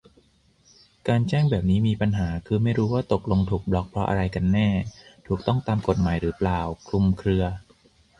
การแจ้งแบบนี้มีปัญหา คือ ไม่รู้ว่าตกลงถูกบล็อคเพราะอะไรกันแน่ ถูกต้องตามกฎหมายหรือเปล่า คลุมเครือ